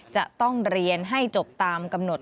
จะต้องเรียนให้จบตามกำหนด